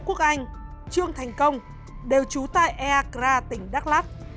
quốc anh trương thành công đều trú tại eakra tỉnh đắk lắc